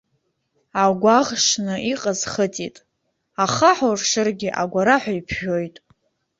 Агәаӷ шны иҟаз хыҵит, ахаҳә уршыргьы агәараҳәа иԥжәоит.